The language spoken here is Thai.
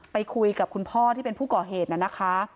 ไปคุยกับคุณพ่อที่เป็นผู้ก่อเหตุน่ะนะคะ